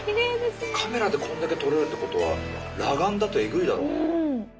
カメラでこんだけ撮れるってことは裸眼だとえぐいだろうね。